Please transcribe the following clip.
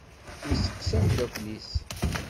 Yesseqsa amdakel-is.